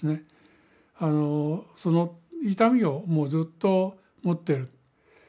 その痛みをもうずっと持ってる。